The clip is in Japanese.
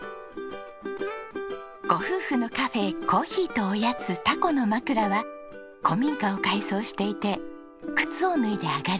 ご夫婦のカフェ珈琲とおやつタコのまくらは古民家を改装していて靴を脱いで上がるスタイル。